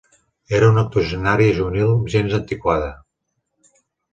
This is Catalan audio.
Era una octogenària juvenil gens antiquada.